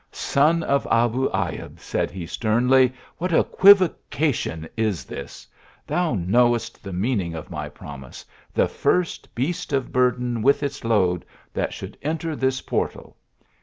" Son of Abu Ayub," said he, sternly, " what equiv ocation is this ? Thou knowest the meaning of my promise, the first beast of burden, with its load, that should enter this portal.